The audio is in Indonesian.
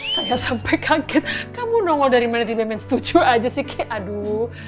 saya sampai kaget kamu nongol dari mana tiba tiba setuju aja sih kiki aduh